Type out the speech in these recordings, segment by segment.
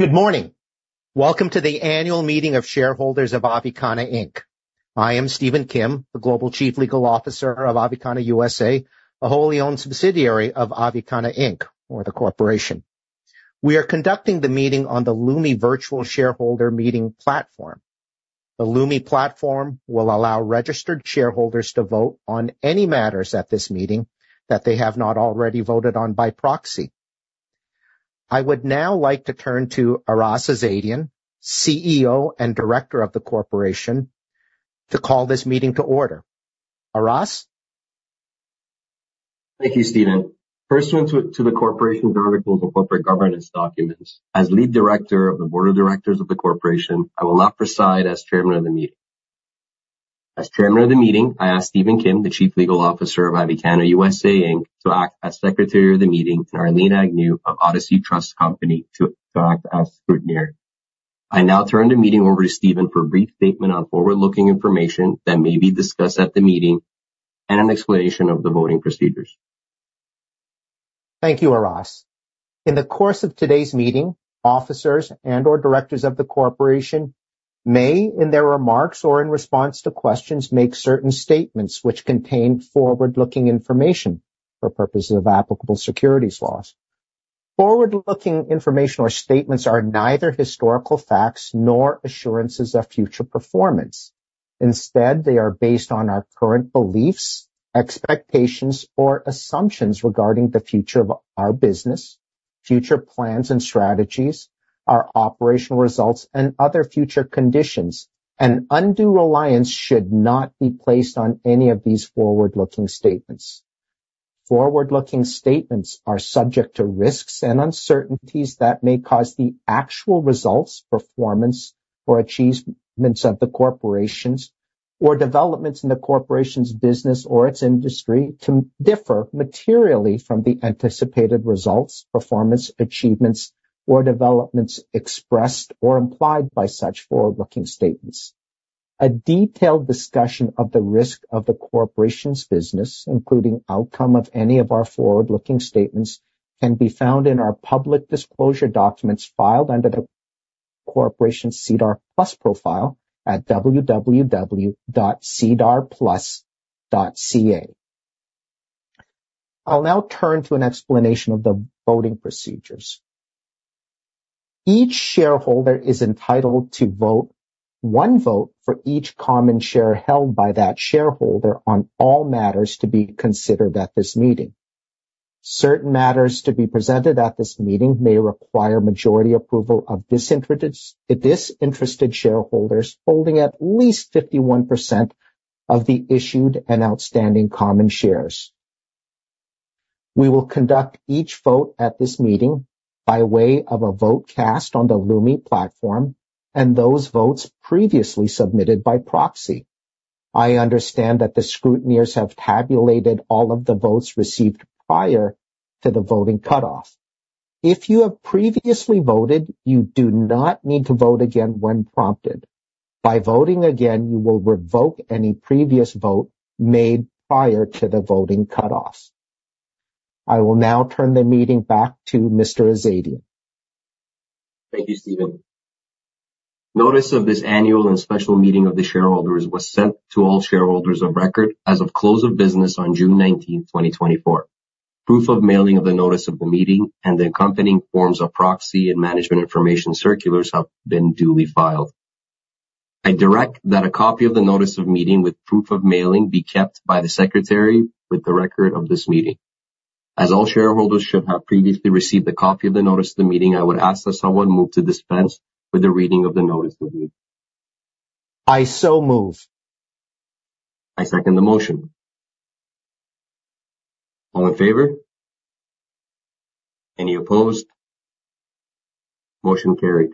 Good morning. Welcome to the annual meeting of shareholders of Avicanna Inc. I am Stephen Kim, the Global Chief Legal Officer of Avicanna USA, a wholly owned subsidiary of Avicanna Inc., or the corporation. We are conducting the meeting on the Lumi virtual shareholder meeting platform. The Lumi platform will allow registered shareholders to vote on any matters at this meeting that they have not already voted on by proxy. I would now like to turn to Aras Azadian, CEO and Director of the corporation, to call this meeting to order. Aras? Thank you, Stephen. Pursuant to the corporation's articles of corporate governance documents, as Lead Director of the Board of Directors of the corporation, I will now preside as Chairman of the Meeting. As Chairman of the Meeting, I ask Stephen Kim, the Chief Legal Officer of Avicanna USA Inc, to act as Secretary of the Meeting, and Arlene Agnew of Odyssey Trust Company to act as Scrutineer. I now turn the meeting over to Stephen for a brief statement on forward-looking information that may be discussed at the meeting, and an explanation of the voting procedures. Thank you, Aras. In the course of today's meeting, officers and/or directors of the corporation may, in their remarks or in response to questions, make certain statements which contain forward-looking information for purposes of applicable securities laws. Forward-looking information or statements are neither historical facts nor assurances of future performance. Instead, they are based on our current beliefs, expectations, or assumptions regarding the future of our business, future plans and strategies, our operational results, and other future conditions, and undue reliance should not be placed on any of these forward-looking statements. Forward-looking statements are subject to risks and uncertainties that may cause the actual results, performance, or achievements of the corporation's, or developments in the corporation's business or its industry, to differ materially from the anticipated results, performance, achievements, or developments expressed or implied by such forward-looking statements. A detailed discussion of the risk of the corporation's business, including outcome of any of our forward-looking statements, can be found in our public disclosure documents filed under the corporation's SEDAR+ profile at www.sedarplus.ca. I'll now turn to an explanation of the voting procedures. Each shareholder is entitled to vote one vote for each common share held by that shareholder on all matters to be considered at this meeting. Certain matters to be presented at this meeting may require majority approval of disinterested shareholders holding at least 51% of the issued and outstanding common shares. We will conduct each vote at this meeting by way of a vote cast on the Lumi Platform and those votes previously submitted by proxy. I understand that the scrutineers have tabulated all of the votes received prior to the voting cutoff. If you have previously voted, you do not need to vote again when prompted. By voting again, you will revoke any previous vote made prior to the voting cutoff. I will now turn the meeting back to Mr. Azadian. Thank you, Stephen. Notice of this annual and special meeting of the shareholders was sent to all shareholders of record as of close of business on June 19th, 2024. Proof of mailing of the notice of the meeting and the accompanying forms of proxy and management information circulars have been duly filed. I direct that a copy of the notice of meeting with proof of mailing be kept by the Secretary with the record of this meeting. As all shareholders should have previously received a copy of the notice of the meeting, I would ask that someone move to dispense with the reading of the notice of meeting. I so move. I second the motion. All in favor? Any opposed? Motion carried.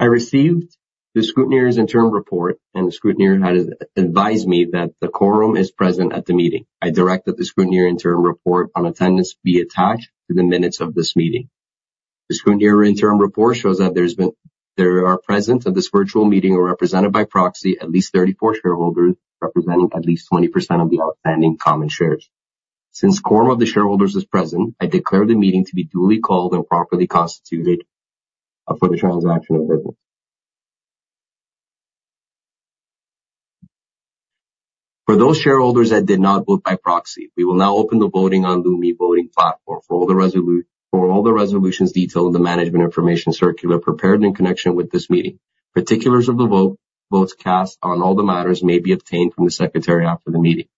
I received the scrutineer's interim report, and the scrutineer has advised me that the quorum is present at the meeting. I direct that the scrutineer interim report on attendance be attached to the minutes of this meeting. The scrutineer interim report shows that there are present at this virtual meeting, or represented by proxy, at least 34 shareholders, representing at least 20% of the outstanding common shares. Since quorum of the shareholders is present, I declare the meeting to be duly called and properly constituted for the transaction of business. For those shareholders that did not vote by proxy, we will now open the voting on Lumi voting platform for all the resolutions detailed in the management information circular prepared in connection with this meeting. Particulars of the votes cast on all the matters may be obtained from the Secretary after the meeting.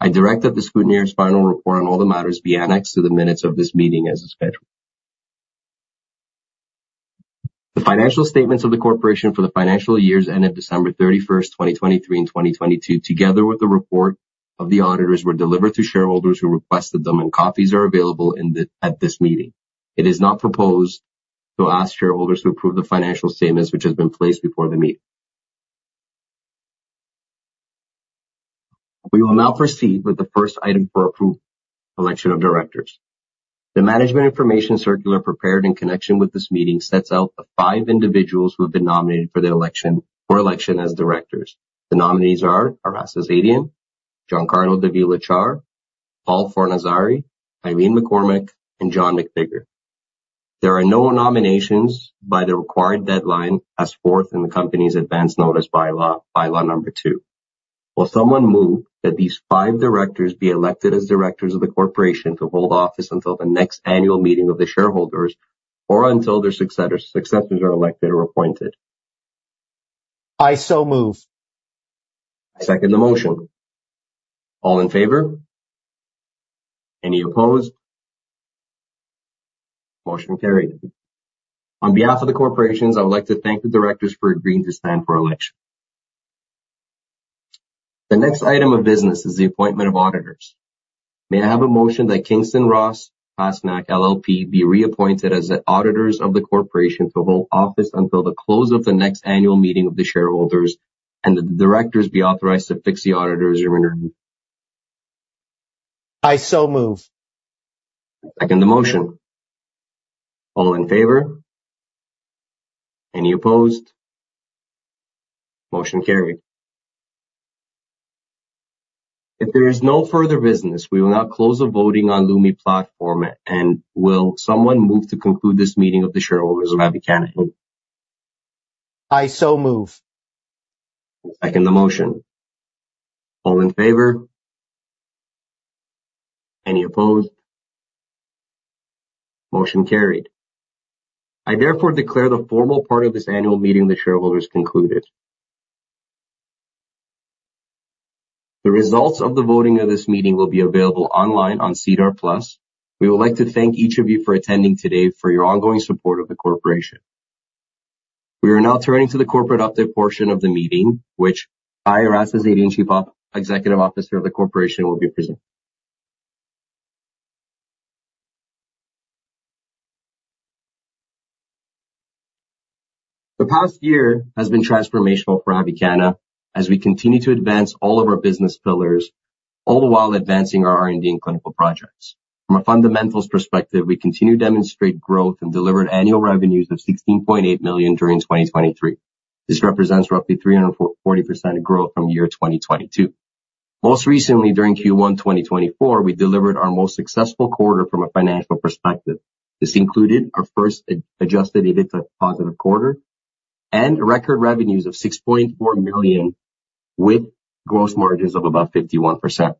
I direct that the scrutineer's final report on all the matters be annexed to the minutes of this meeting as a schedule. The financial statements of the corporation for the financial years ended December 31st, 2023 and 2022, together with the report of the auditors, were delivered to shareholders who requested them, and copies are available at this meeting. It is now proposed to ask shareholders to approve the financial statements which have been placed before the meeting. We will now proceed with the first item for approval, election of directors. The management information circular prepared in connection with this meeting sets out the five individuals who have been nominated for election as directors. The nominees are Aras Azadian, Giancarlo Davila Char, Paul Fornazzari, Eileen McCormack, and John McVicar. There are no nominations by the required deadline as forth in the company's advance notice bylaw number two. Will someone move that these five directors be elected as directors of the corporation to hold office until the next annual meeting of the shareholders, or until their successors are elected or appointed? I so move. I second the motion. All in favor? Any opposed? Motion carried. On behalf of the corporations, I would like to thank the directors for agreeing to stand for election. The next item of business is the appointment of auditors. May I have a motion that Kingston Ross Pasnak LLP be reappointed as the auditors of the corporation to hold office until the close of the next annual meeting of the shareholders, and that the directors be authorized to fix the auditors'. I so move. I second the motion. All in favor? Any opposed? Motion carried. If there is no further business, we will now close the voting on Lumi Platform, and will someone move to conclude this meeting of the shareholders of Avicanna? I so move. I second the motion. All in favor? Any opposed? Motion carried. I therefore declare the formal part of this annual meeting of the shareholders concluded. The results of the voting of this meeting will be available online on SEDAR+. We would like to thank each of you for attending today for your ongoing support of the corporation. We are now turning to the corporate update portion of the meeting, which I, Aras Azadian, Chief Executive Officer of the corporation, will be presenting. The past year has been transformational for Avicanna as we continue to advance all of our business pillars, all the while advancing our R&D and clinical projects. From a fundamentals perspective, we continue to demonstrate growth and delivered annual revenues of 16.8 million during 2023. This represents roughly 340% growth from year 2022. Most recently, during Q1 2024, we delivered our most successful quarter from a financial perspective. This included our first adjusted EBITDA positive quarter and record revenues of 6.4 million with gross margins of about 51%.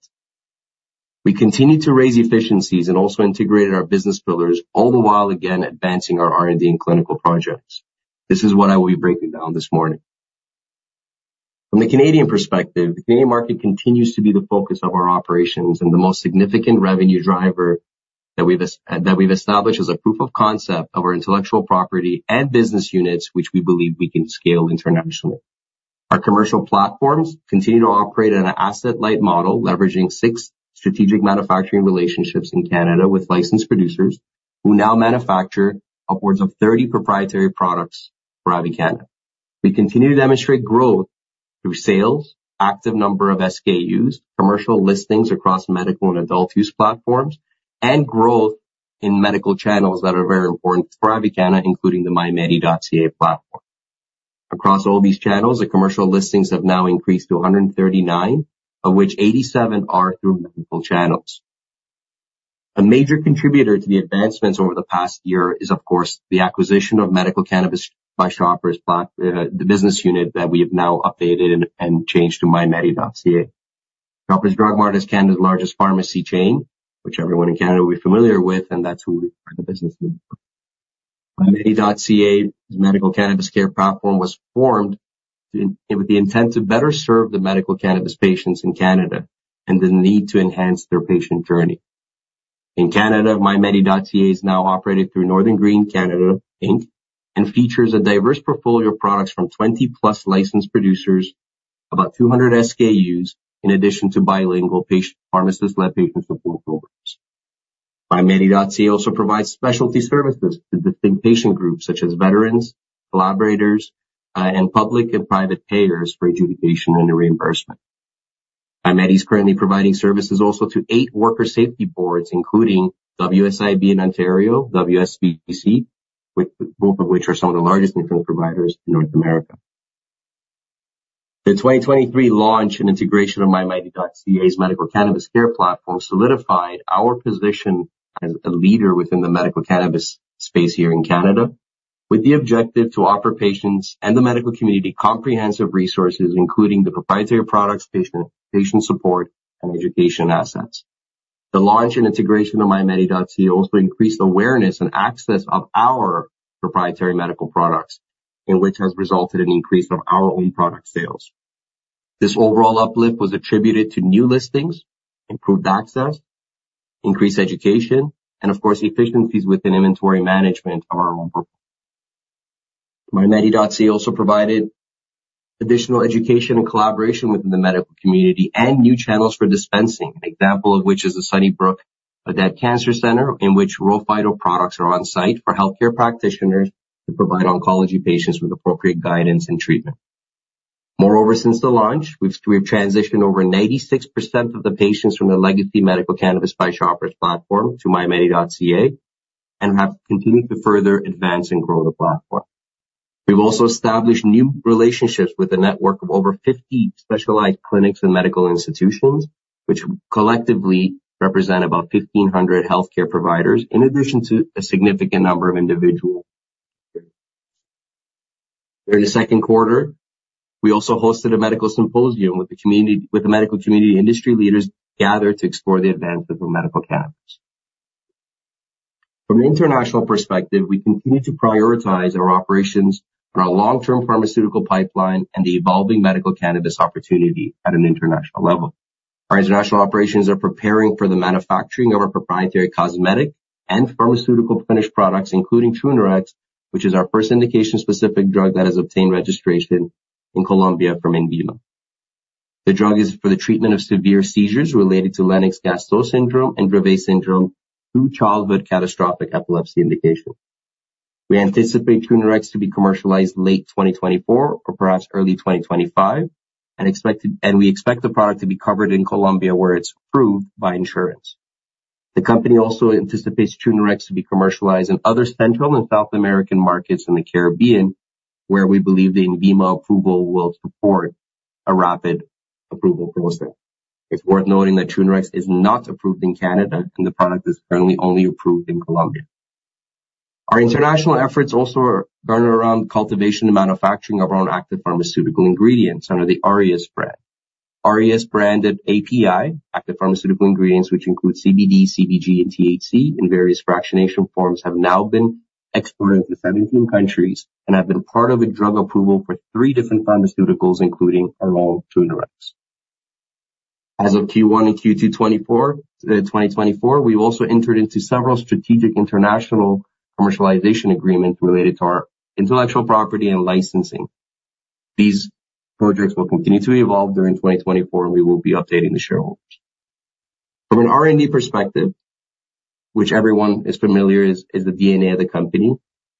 We continued to raise efficiencies and also integrated our business pillars, all the while again advancing our R&D and clinical projects. This is what I will be breaking down this morning. From the Canadian perspective, the Canadian market continues to be the focus of our operations and the most significant revenue driver that we've established as a proof of concept of our intellectual property and business units, which we believe we can scale internationally. Our commercial platforms continue to operate on an asset-light model, leveraging six strategic manufacturing relationships in Canada with licensed producers who now manufacture upwards of 30 proprietary products for Avicanna. We continue to demonstrate growth through sales, active number of SKUs, commercial listings across medical and adult use platforms, and growth in medical channels that are very important for Avicanna, including the mymedi.ca platform. Across all these channels, the commercial listings have now increased to 139, of which 87 are through medical channels. A major contributor to the advancements over the past year is, of course, the acquisition of Medical Cannabis by Shoppers, the business unit that we have now updated and changed to mymedi.ca. Shoppers Drug Mart is Canada's largest pharmacy chain, which everyone in Canada will be familiar with, and that's who we acquired the business with. MyMedi.ca medical cannabis care platform was formed with the intent to better serve the medical cannabis patients in Canada and the need to enhance their patient journey. In Canada, mymedi.ca is now operated through Northern Green Canada Inc. Features a diverse portfolio of products from 20+ licensed producers, about 200 SKUs, in addition to bilingual pharmacist-led patient support programs. MyMedi.ca also provides specialty services to distinct patient groups such as veterans, collaborators, and public and private payers for adjudication and reimbursement. MyMedi is currently providing services also to eight worker safety boards, including WSIB in Ontario, WSBC, both of which are some of the largest insurance providers in North America. The 2023 launch and integration of MyMedi.ca's medical cannabis care platform solidified our position as a leader within the medical cannabis space here in Canada, with the objective to offer patients and the medical community comprehensive resources, including the proprietary products, patient support, and education assets. The launch and integration of MyMedi.ca also increased awareness and access of our proprietary medical products, and which has resulted in increase of our own product sales. This overall uplift was attributed to new listings, improved access, increased education, and of course, efficiencies within inventory management of our. MyMedi.ca also provided additional education and collaboration within the medical community and new channels for dispensing, an example of which is the Sunnybrook Odette Cancer Centre, in which RHO Phyto products are on site for healthcare practitioners to provide oncology patients with appropriate guidance and treatment. Moreover, since the launch, we've transitioned over 96% of the patients from the legacy Medical Cannabis by Shoppers platform to MyMedi.ca and have continued to further advance and grow the platform. We've also established new relationships with a network of over 50 specialized clinics and medical institutions, which collectively represent about 1,500 healthcare providers, in addition to a significant number of individual. During the second quarter, we also hosted a medical symposium with the medical community industry leaders gathered to explore the advances of medical cannabis. From an international perspective, we continue to prioritize our operations on our long-term pharmaceutical pipeline and the evolving medical cannabis opportunity at an international level. Our international operations are preparing for the manufacturing of our proprietary cosmetic and pharmaceutical finished products, including Trunerox, which is our first indication-specific drug that has obtained registration in Colombia from INVIMA. The drug is for the treatment of severe seizures related to Lennox-Gastaut syndrome and Dravet syndrome through childhood catastrophic epilepsy indication. We anticipate Trunerox to be commercialized late 2024 or perhaps early 2025, and we expect the product to be covered in Colombia, where it's approved by insurance. The company also anticipates Trunerox to be commercialized in other Central and South American markets in the Caribbean, where we believe the INVIMA approval will support a rapid approval process. It's worth noting that Trunerox is not approved in Canada, and the product is currently only approved in Colombia. Our international efforts also are centered around cultivation and manufacturing of our own active pharmaceutical ingredients under the Aureus brand. Aureus branded API, active pharmaceutical ingredients, which include CBD, CBG, and THC in various fractionation forms, have now been exported to 17 countries and have been part of a drug approval for three different pharmaceuticals, including our own Trunerox. As of Q1 and Q2 2024, we've also entered into several strategic international commercialization agreements related to our intellectual property and licensing. These projects will continue to evolve during 2024, and we will be updating the shareholders. From an R&D perspective, which everyone is familiar is the DNA of the company,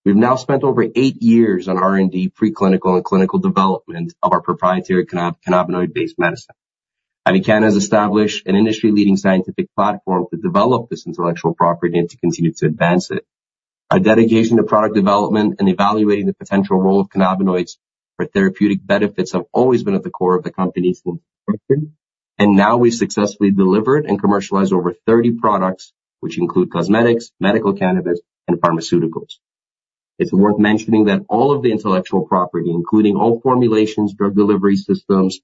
we've now spent over eight years on R&D pre-clinical and clinical development of our proprietary cannabinoid-based medicine. Avicanna has established an industry-leading scientific platform to develop this intellectual property and to continue to advance it. Our dedication to product development and evaluating the potential role of cannabinoids for therapeutic benefits have always been at the core of the company since inception. Now we've successfully delivered and commercialized over 30 products, which include cosmetics, medical cannabis, and pharmaceuticals. It's worth mentioning that all of the intellectual property, including all formulations, drug delivery systems,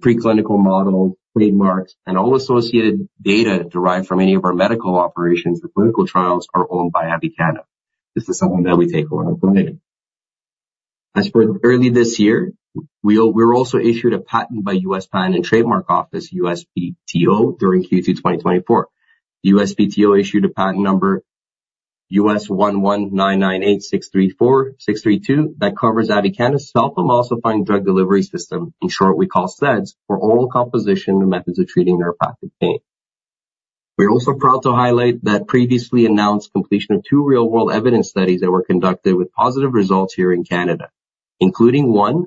pre-clinical models, trademarks, and all associated data derived from any of our medical operations or clinical trials, are owned by Avicanna. This is something that we take a lot of pride in. As for early this year, we were also issued a patent by United States Patent and Trademark Office, USPTO, during Q2 2024. USPTO issued a patent number US 11,986,463 B2 that covers Avicanna's self-emulsifying drug delivery system, in short, we call SEDDS, for oral composition and methods of treating neuropathic pain. We are also proud to highlight that previously announced completion of two real-world evidence studies that were conducted with positive results here in Canada, including one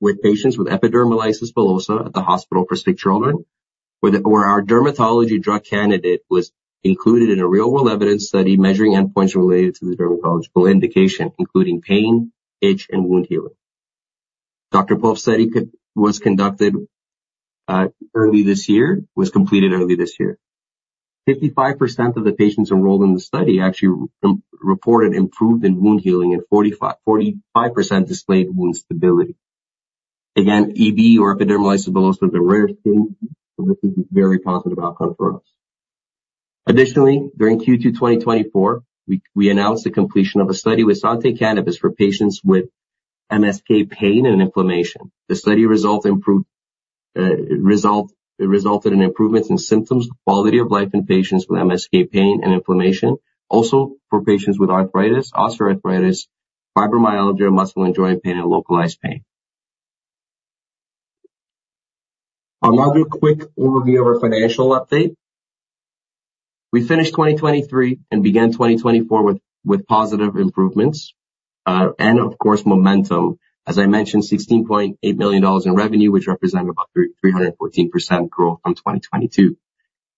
with patients with epidermolysis bullosa at The Hospital for Sick Children, where our dermatology drug candidate was included in a real-world evidence study measuring endpoints related to the dermatological indication, including pain, itch, and wound healing. Paul Fornazzari's study was completed early this year. 55% of the patients enrolled in the study actually reported improvement in wound healing, and 45% displayed wound stability. Again, EB or epidermolysis bullosa is a rare skin disease, so this is a very positive outcome for us. Additionally, during Q2 2024, we announced the completion of a study with Santé Cannabis for patients with MSK pain and inflammation. The study resulted in improvements in symptoms, quality of life in patients with MSK pain and inflammation, also for patients with arthritis, osteoarthritis, fibromyalgia, muscle and joint pain, and localized pain. I'll now do a quick overview of our financial update. We finished 2023 and began 2024 with positive improvements and of course, momentum. As I mentioned, 16.8 million dollars in revenue, which represent about 314% growth from 2022.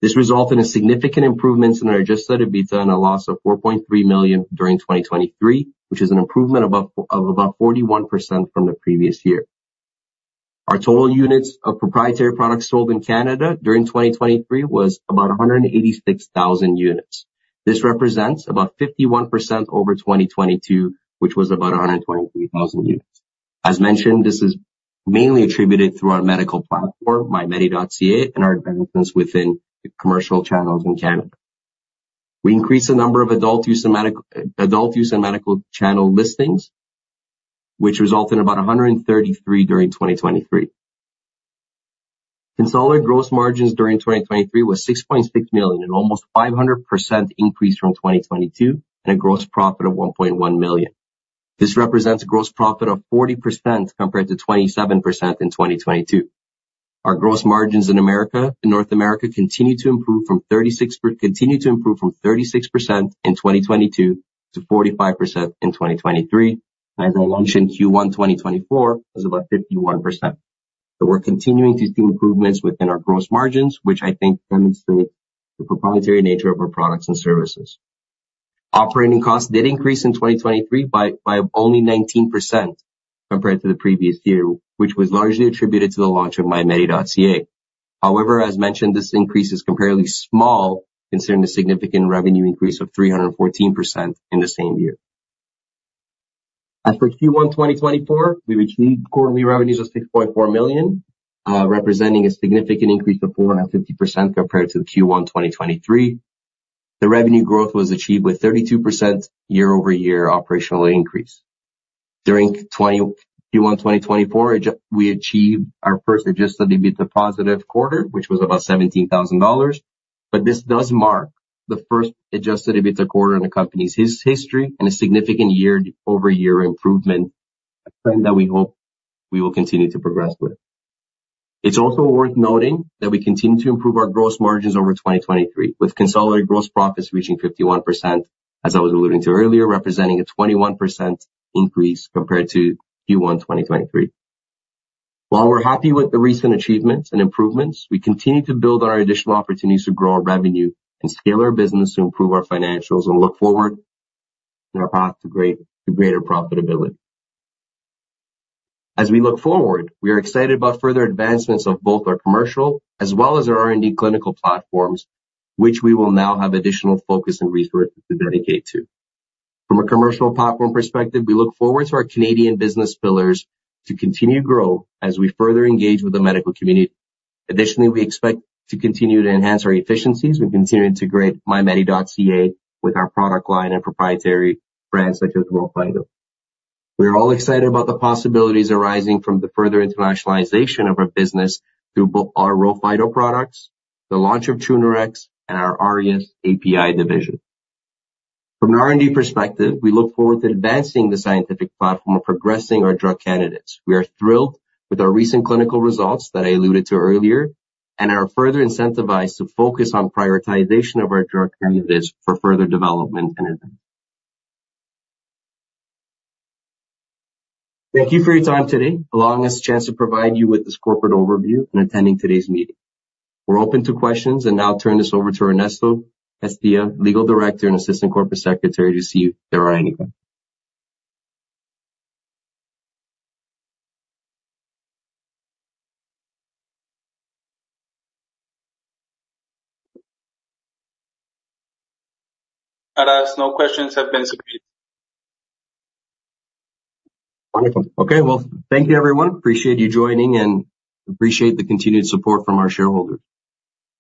This resulted in significant improvements in our adjusted EBITDA and a loss of 4.3 million during 2023, which is an improvement of about 41% from the previous year. Our total units of proprietary products sold in Canada during 2023 was about 186,000 units. This represents about 51% over 2022, which was about 123,000 units. As mentioned, this is mainly attributed through our medical platform, mymedi.ca, and our advancements within the commercial channels in Canada. We increased the number of adult use and medical channel listings, which result in about 133 during 2023. Consolidated gross margins during 2023 was 6.6 million, an almost 500% increase from 2022, and a gross profit of 1.1 million. This represents gross profit of 40% compared to 27% in 2022. Our gross margins in North America continue to improve from 36% in 2022 to 45% in 2023, as I mentioned, Q1 2024 was about 51%. We're continuing to see improvements within our gross margins, which I think demonstrates the proprietary nature of our products and services. Operating costs did increase in 2023 by only 19% compared to the previous year, which was largely attributed to the launch of MyMedi.ca. As mentioned, this increase is comparatively small considering the significant revenue increase of 314% in the same year. As for Q1 2024, we achieved quarterly revenues of 6.4 million, representing a significant increase of 450% compared to Q1 2023. The revenue growth was achieved with 32% year-over-year operational increase. During Q1 2024, we achieved our first adjusted EBITDA positive quarter, which was about 17,000 dollars, but this does mark the first adjusted EBITDA quarter in the company's history and a significant year-over-year improvement, a trend that we hope we will continue to progress with. It's also worth noting that we continue to improve our gross margins over 2023, with consolidated gross profits reaching 51%, as I was alluding to earlier, representing a 21% increase compared to Q1 2023. While we're happy with the recent achievements and improvements, we continue to build on our additional opportunities to grow our revenue and scale our business to improve our financials and look forward in our path to greater profitability. As we look forward, we are excited about further advancements of both our commercial as well as our R&D clinical platforms, which we will now have additional focus and resources to dedicate to. From a commercial platform perspective, we look forward to our Canadian business pillars to continue to grow as we further engage with the medical community. Additionally, we expect to continue to enhance our efficiencies. We continue to integrate MyMedi.ca with our product line and proprietary brands such as RHO Phyto. We are all excited about the possibilities arising from the further internationalization of our business through both our RHO Phyto products, the launch of Trunerox, and our Aureus API division. From an R&D perspective, we look forward to advancing the scientific platform of progressing our drug candidates. We are thrilled with our recent clinical results that I alluded to earlier and are further incentivized to focus on prioritization of our drug candidates for further development and advancement. Thank you for your time today, allowing us a chance to provide you with this corporate overview and attending today's meeting. We're open to questions and now turn this over to Ernesto Castilla, Legal Director and Assistant Corporate Secretary, to see if there are any. Aras, no questions have been submitted. Wonderful. Okay. Well, thank you everyone. Appreciate you joining and appreciate the continued support from our shareholders.